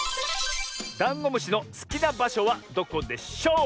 ダンゴムシのすきなばしょはどこでしょう？